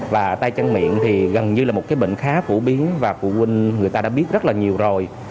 và tay chân miệng thì gần như là một cái bệnh khá phổ biến và phụ huynh người ta đã biết rất là nhiều rồi